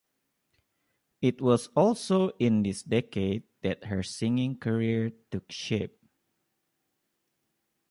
It was also in this decade that her singing career took shape.